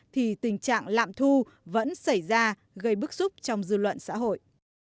thì tình trạng lạm thu vẫn xảy ra gây bức xúc trong dư luận xã hội